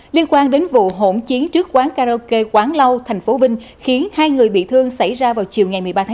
liên quan đến vụ hỗn chiến trước quán karaoke quán lau thành phố vinh khiến hai người bị thương xảy ra vào chiều một mươi ba chín